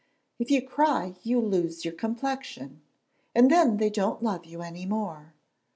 "If you cry you lose your complexion, and then they don't love you any more.